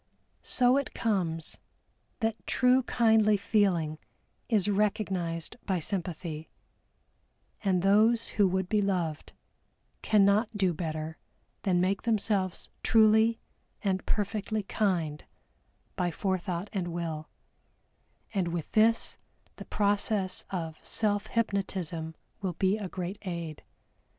So it comes that true kindly feeling is recognized by sympathy, and those who would be loved, cannot do better than make themselves truly and perfectly kind by forethought and will, and with this the process of self hypnotism will be a great aid.